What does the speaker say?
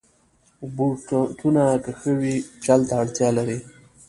بوټونه که ښوی وي، چل ته اړتیا لري.